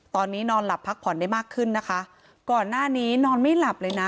ตอนนี้นอนหลับพักผ่อนได้มากขึ้นนะคะก่อนหน้านี้นอนไม่หลับเลยนะ